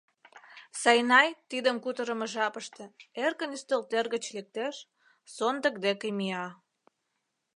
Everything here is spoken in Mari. Сайнай тидым кутырымо жапыште эркын ӱстелтӧр гыч лектеш, сондык деке мия.